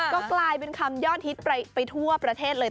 ก็กลายเป็นคำยอดฮิตไปทั่วประเทศเลย